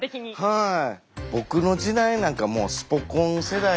はい。